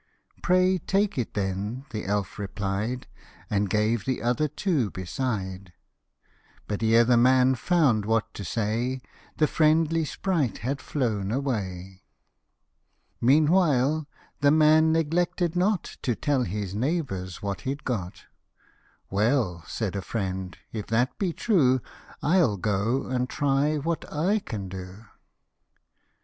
" Pray take it then," the elf replied, And gave the other two beside ; But ere the man found what to say, The friendly sprite had flown away. Meanwhile the man neglected not To tell his neighbours what he'd got :" Well," said a friend, If that be true, I'll go and try what / can do."